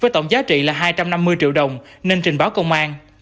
với tổng giá trị là hai trăm năm mươi triệu đồng nên trình báo công an